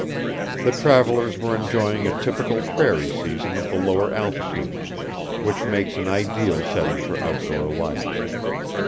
The travelers were enjoying a typical prairie season of the lower altitudes, which makes an ideal setting for outdoor life.